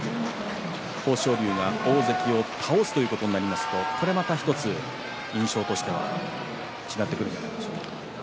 豊昇龍が大関を倒すということになりますとこれまた１つ印象としては違ってくるんじゃないですか？